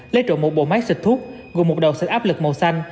lấy trộm một bộ máy xịt thuốc gồm một đậu sạch áp lực màu xanh